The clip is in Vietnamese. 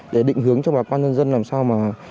để định hướng cho bà con nhân dân làm sao mà